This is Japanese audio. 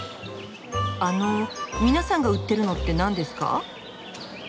あの皆さんが売ってるのってなんですか？